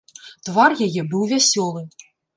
Твар яе быў вясёлы.